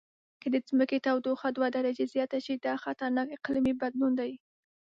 که د ځمکې تودوخه دوه درجې زیاته شي، دا خطرناک اقلیمي بدلون دی.